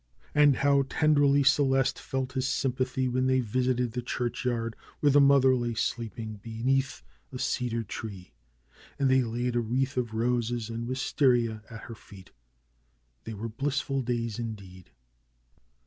And how tenderly Celeste felt his sympathy when they vis 150 DR. SCHOLAR CRUTCH ited the churchyard where the mother lay sleeping be neath a cedar tree, and they laid a wreath of roses and wistaria at her feet. They were blissful days indeed.